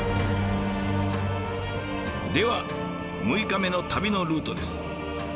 では６日目の旅のルートです。